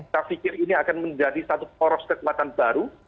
saya pikir ini akan menjadi satu poros kekuatan baru